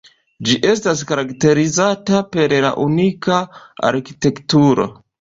Ĝi estas karakterizata per la unika arkitekturo.